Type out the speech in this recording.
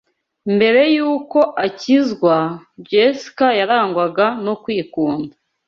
Mbere y’uko akizwa Jessica yarangwaga no kwikunda